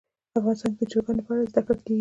افغانستان کې د چرګانو په اړه زده کړه کېږي.